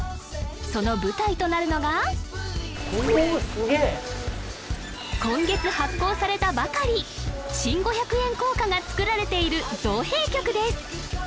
その舞台となるのが今月発行されたばかり新５００円硬貨が造られている造幣局です